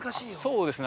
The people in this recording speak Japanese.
◆そうですね。